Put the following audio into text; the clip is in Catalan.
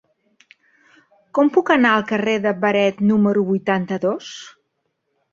Com puc anar al carrer de Beret número vuitanta-dos?